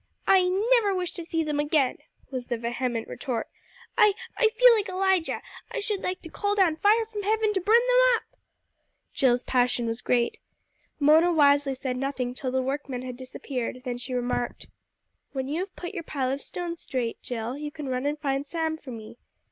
"I never wish to see them again," was the vehement retort. "I I feel like Elijah. I should like to call down fire from heaven to burn them up!" Jill's passion was great. Mona wisely said nothing till the workmen had disappeared, then she remarked "When you have put your pile of stones straight, Jill, you can run and find Sam for me.